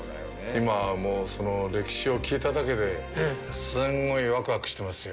今、もうその歴史を聞いただけで、すんごいワクワクしてますよ！